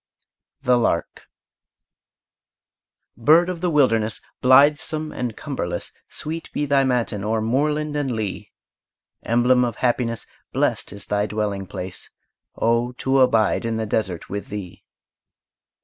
THE LARK Bird of the wilderness, Blithesome and cumberless, Sweet be thy matin o'er moorland and lea! Emblem of happiness, Blest is thy dwelling place: Oh, to abide in the desert with thee!